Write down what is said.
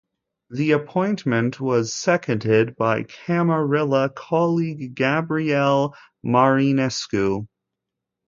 The appointment was seconded by camarilla colleague Gabriel Marinescu.